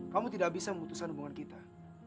kamu tidak bisa memutuskan hubungan kita